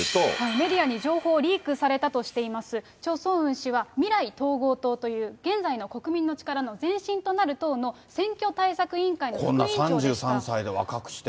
メディアに情報をリークされたとしています、チョ・ソンウン氏は、未来統合党という、現在の国民の力の前身となる党の選挙対策委員会の副委員長でした。